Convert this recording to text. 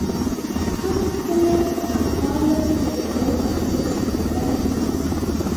هغه خپله ناخواله پر يوه ارزښت بدله کړه.